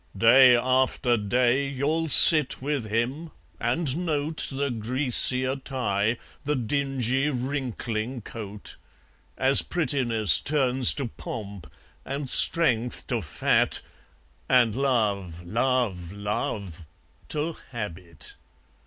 Day after day you'll sit with him and note The greasier tie, the dingy wrinkling coat; As prettiness turns to pomp, and strength to fat, And love, love, love to habit!